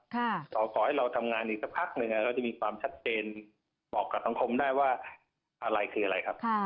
ขอให้เราทำงานอีกสักพักหนึ่งก็จะมีความชัดเจนบอกกับสังคมได้ว่าอะไรคืออะไรครับ